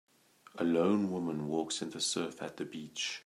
A lone woman walks in the surf at the beach.